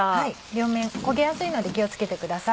両面焦げやすいので気を付けてください。